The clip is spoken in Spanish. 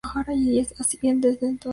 Y así, desde entonces.